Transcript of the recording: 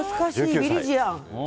ビリジアン。